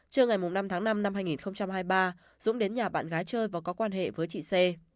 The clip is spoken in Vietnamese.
trưa ngày năm tháng năm năm hai nghìn hai mươi ba dũng đến nhà bạn gái chơi và có quan hệ với chị c